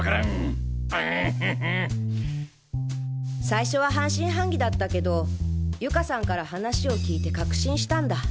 最初は半信半疑だったけど友嘉さんから話を聞いて確信したんだ。